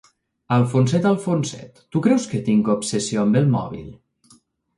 Alfonset, Alfonset, tu creus que tinc obsessió amb el mòbil?